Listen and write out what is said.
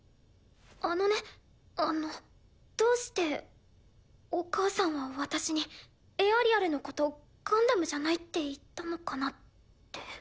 あのねあのどうしてお母さんは私にエアリアルのことガンダムじゃないって言ったのかなって。